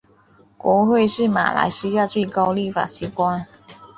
国会是马来西亚最高立法机关。